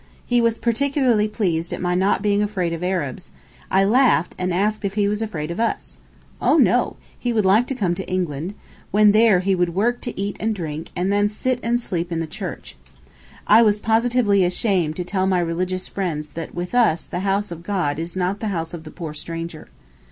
He was particularly pleased at my not being afraid of Arabs; I laughed, and asked if he was afraid of us. 'Oh no! he would like to come to England; when there he would work to eat and drink, and then sit and sleep in the church.' I was positively ashamed to tell my religious friend that with us the 'house of God' is not the house of the poor stranger.